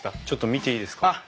ちょっと見ていいですか？